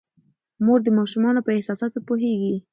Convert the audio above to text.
مور د ماشومانو په احساساتو پوهیږي.